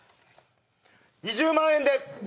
２０万円で！